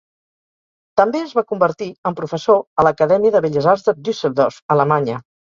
També es va convertir en professor a l'Acadèmia de Belles Arts de Düsseldorf, Alemanya.